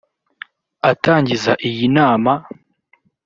Atangiza iyi nama